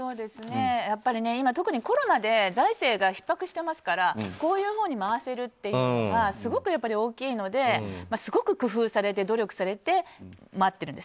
今、特にコロナで財政がひっ迫してますからこういうほうに回せるのがすごく大きいのですごく工夫されて努力されて待ってるんです。